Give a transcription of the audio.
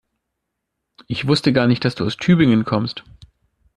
Ich wusste gar nicht, dass du aus Tübingen kommst